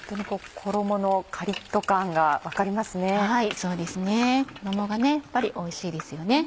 衣がやっぱりおいしいですよね。